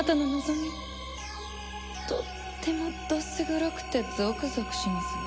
とってもどす黒くてゾクゾクしますわ。